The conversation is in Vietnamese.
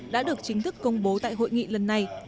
đã được chính thức công bố tại hội nghị lần này